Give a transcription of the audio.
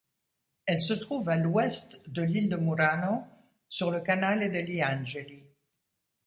Elle se trouve à l'ouest de l'île de Murano sur le canale degli Angeli.